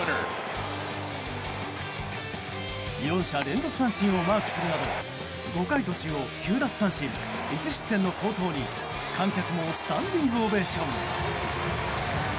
４者連続三振をマークするなど５回途中の９奪三振１失点の好投に観客もスタンディングオベーション。